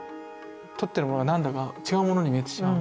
撮ってるものがなんだか違うものに見えてしまう。